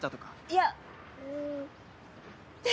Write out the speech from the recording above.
いや。